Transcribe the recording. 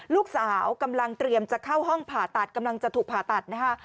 ลูกสาวกำลังเตรียมจะเข้าห้องผ่าตัดกำลังจะถูกผ่าตัดนะคะ